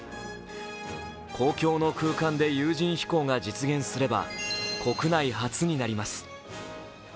公共の空間で有人飛行が実現すれば国内初になります。